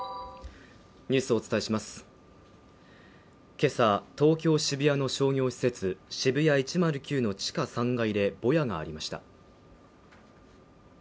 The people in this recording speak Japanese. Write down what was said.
今朝、東京・渋谷の商業施設、ＳＨＩＢＵＹＡ１０９の地下３階で、ぼやがありました。